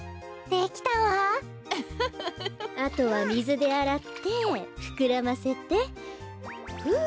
あとはみずであらってふくらませてふう！